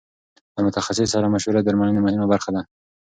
له متخصص سره مشوره د درملنې مهمه برخه ده.